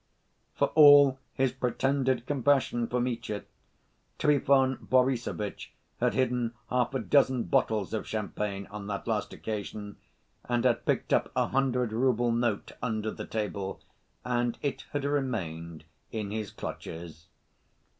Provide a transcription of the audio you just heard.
For all his pretended compassion for Mitya, Trifon Borissovitch had hidden half a dozen bottles of champagne on that last occasion, and had picked up a hundred‐rouble note under the table, and it had remained in his clutches.